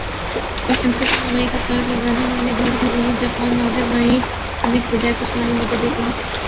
اور شمسی توانائی کا پلانٹ لگا نے والے گھر کو حکومت جاپان وعدے وعید کرنے کے بجائے کچھ مالی مدد دیتی ہے